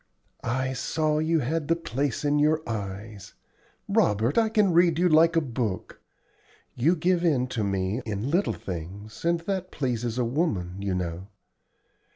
"I saw you had the place in your eyes. La, Robert! I can read you like a book. You give in to me in little things, and that pleases a woman, you know.